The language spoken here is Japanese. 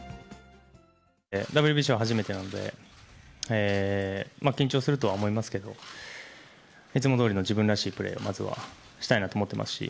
ＷＢＣは初めてなので、緊張するとは思いますけど、いつもどおりの自分らしいプレーをまずはしたいなと思ってますし。